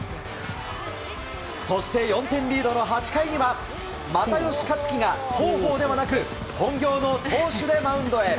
そして４点リードの８回には又吉克樹が広報ではなく本業の投手でマウンドへ。